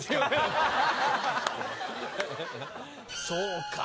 そうか。